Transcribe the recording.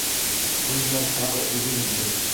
Һүҙҙәр тағы өҙөлдө.